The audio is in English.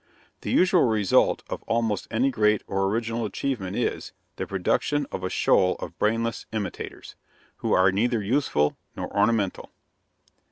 The usual result of almost any great and original achievement is, the production of a shoal of brainless imitators, who are "neither useful nor ornamental."